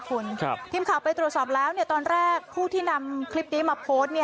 คุณทีมข่าวไปตรวจสอบแล้วตอนแรกผู้ที่นำคลิปนี้มาโพสต์